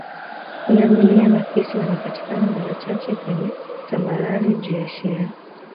Punda milia na fisi wanapatikana mara chache kweye tambarare juu ya Shira